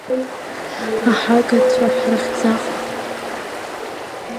Ахагацәа ҳрыхьӡахп…